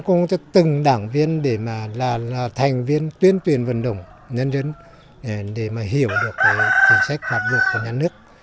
mình cũng cho từng đảng viên để mà là thành viên tuyên tuyển vận động nhân dân để mà hiểu được cái chính sách pháp luật của nhà nước